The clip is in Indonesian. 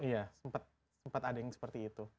iya sempat ada yang seperti itu